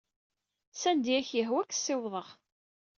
Sanda ay ak-yehwa ad k-ssiwḍeɣ.